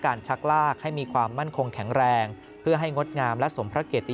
ชักลากให้มีความมั่นคงแข็งแรงเพื่อให้งดงามและสมพระเกียรติ